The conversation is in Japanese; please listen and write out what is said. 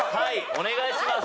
お願いします。